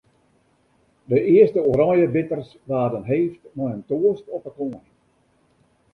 De earste oranjebitters waarden heefd mei in toast op 'e koaning.